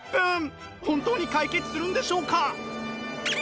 本当に解決するんでしょうか？